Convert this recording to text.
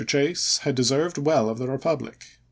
Chase had deserved well of the republic.